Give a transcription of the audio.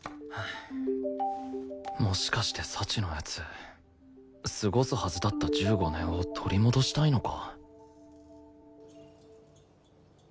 もしかして幸の奴過ごすはずだった１５年を取り戻したいのか？